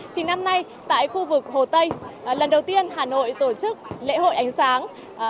thì năm nay tại khu vực hồ tây lần đầu tiên hà nội tổ chức lễ hội ánh sáng